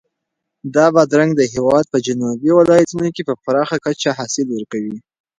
دا بادرنګ د هېواد په جنوبي ولایتونو کې په پراخه کچه حاصل ورکوي.